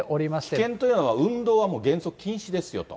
危険というのは、運動はもう、原則禁止ですよと。